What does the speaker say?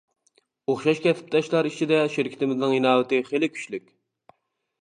ئوخشاش كەسىپداشلار ئىچىدە شىركىتىمىزنىڭ ئىناۋىتى خىلى كۈچلۈك، .